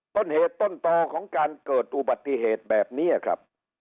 ต้นเหตุต้นต่อของการเกิดอุบัติเหตุแบบนี้ครับ